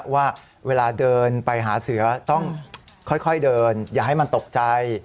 ว่าเวลาเดินไปหาเสือต้องค่อยเดินอย่าให้มันตกใจ